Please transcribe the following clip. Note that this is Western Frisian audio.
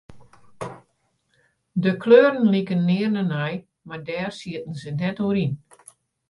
De kleuren liken nearne nei, mar dêr sieten se net oer yn.